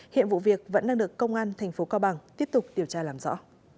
hiện vụ việc vẫn đang được công an tp cao bằng tiếp tục điều tra làm rõ